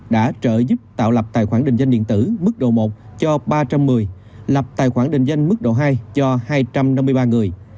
đã trợ giúp tạo lập tài khoản định danh điện tử mức độ một cho ba trăm một mươi lập tài khoản định danh mức độ hai cho hai trăm năm mươi ba người